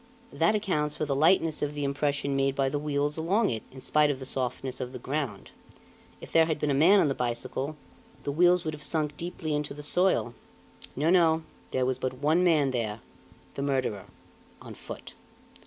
That accounts for the lightness of the impression made by the wheels along it, in spite of the softness of the ground. If there had been a man on the bicycle, the wheels would have sunk deeply into the soil. No, no; there was but one man there, the murderer on foot."